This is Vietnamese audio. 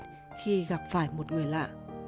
nhưng khi gặp phải một người lạ